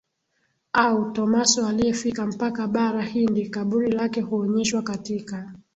au Tomaso aliyefika mpaka Bara Hindi Kaburi lake huonyeshwa katika